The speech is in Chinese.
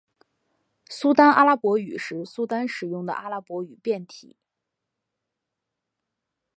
苏丹阿拉伯语是苏丹使用的阿拉伯语变体。